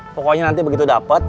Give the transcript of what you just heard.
pokoknya nanti begitu dapet